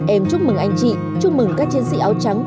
em chúc mừng anh chị chúc mừng các chiến sĩ áo trắng